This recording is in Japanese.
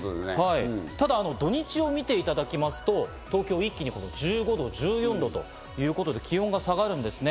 ただ土日を見ていただきますと東京、一気に１５度、１４度といういうことで、気温が下がるんですね。